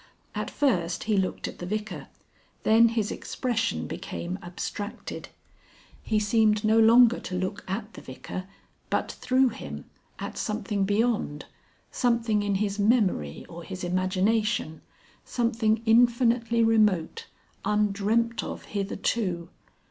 At first he looked at the Vicar, then his expression became abstracted. He seemed no longer to look at the Vicar, but through him, at something beyond, something in his memory or his imagination, something infinitely remote, undreamt of hitherto....